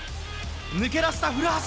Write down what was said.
抜け出した、古橋。